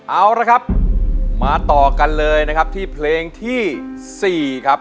เอาละครับมาต่อกันเลยนะครับที่เพลงที่๔ครับ